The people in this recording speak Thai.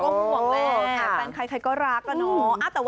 ก็ห่วงแล้วแฟนใครก็รักน่ะ